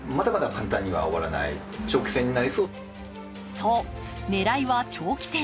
そう、狙いは長期戦。